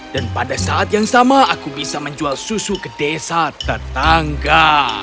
dan pada saat yang sama aku bisa menjual susu ke desa tetangga